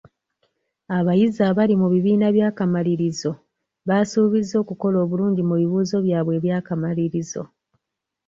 Abayizi abali mu bibiina by'akamalirizo baasuubizza okukola obulungi mu bibuuzo byabwe eby'akamalirizo.